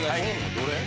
どれ？